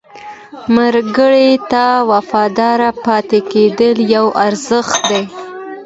ملګری ته وفادار پاتې کېدل یو ارزښت دی